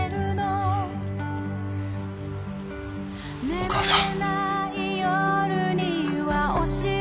お母さん。